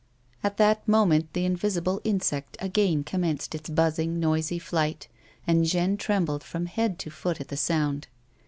At that moment the invisible insect again commenced its buzzing, noisy flight, and Jeanne trembled from head to foot at the sound.